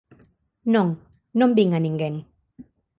Non, non vin a ninguén.